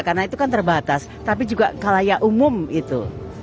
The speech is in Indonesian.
karena itu kan terbatas tapi juga kalaya umum itu